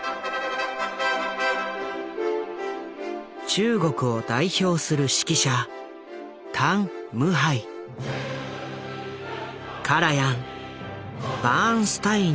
中国を代表する指揮者カラヤンバーンスタインに学び